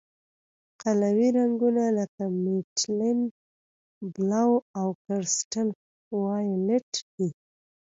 قلوي رنګونه لکه میتیلین بلو او کرسټل وایولېټ دي.